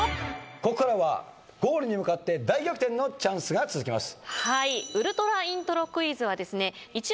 ここからはゴールに向かって大逆転のチャンスが続きます。